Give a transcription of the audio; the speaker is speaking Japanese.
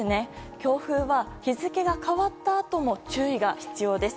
強風は日付が変わったあとも注意が必要です。